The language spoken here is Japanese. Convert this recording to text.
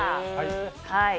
はい。